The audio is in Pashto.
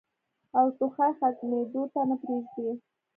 او ټوخی ختمېدو ته نۀ پرېږدي